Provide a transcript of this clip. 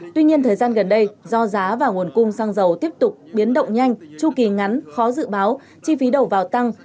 tuy nhiên thời gian gần đây do giá và nguồn cung xăng dầu tiếp tục biến động nhanh chu kỳ ngắn khó dự báo chi phí đầu vào tăng